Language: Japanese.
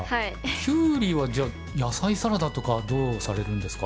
キュウリはじゃあ野菜サラダとかどうされるんですか？